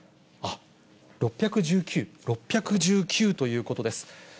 ６１９、６１９ということです。